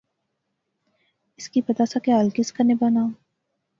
اس کی پتا سا کہ ہل کس کنے بنا